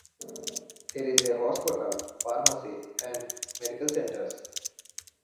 There is a hospital, pharmacy, and medical centres.